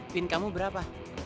pin kamu berapa